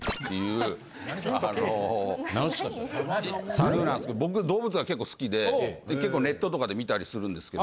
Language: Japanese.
サルなんですけど僕動物が結構好きで結構ネットとかで見たりするんですけど。